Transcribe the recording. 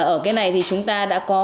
ở cái này thì chúng ta đã có